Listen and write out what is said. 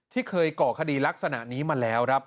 ที่เคยก่อคดีลักษณะนี้มาแล้วครับ